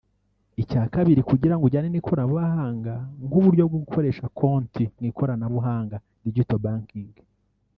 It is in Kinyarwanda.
Icya kabiri kugira ngo ujyane n’ikoranabuhanga nk’uburyo bwo gukoresha konti mu ikoranabuhanga (digital banking)